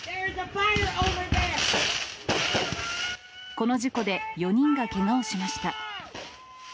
この事故で４人がけがをしました。